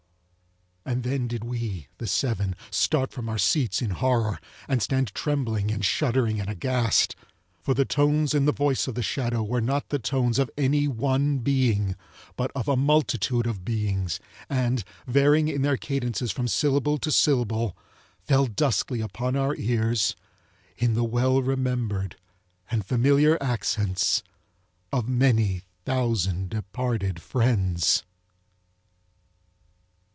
ŌĆØ And then did we, the seven, start from our seats in horror, and stand trembling, and shuddering, and aghast, for the tones in the voice of the shadow were not the tones of any one being, but of a multitude of beings, and, varying in their cadences from syllable to syllable fell duskly upon our ears in the well remembered and familiar accents of many thousand departed friends.